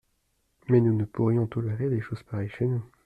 Mais nous ne pourrions tolérer des choses pareilles chez nous.